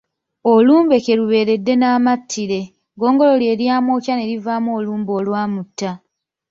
Olumbe kye lubeeredde n'amattire, ggongolo lye lyamwokya ne livaako olumbe olwamutta.